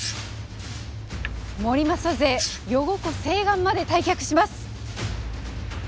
盛政勢余呉湖西岸まで退却します！